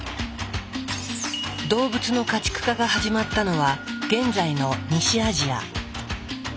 動物の家畜化が始まったのは現在の西アジア。